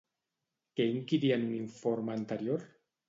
Què inquiria en un informe anterior?